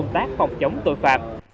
phòng chống tội phạm